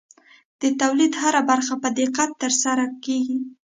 د تولید هره برخه په دقت ترسره کېږي.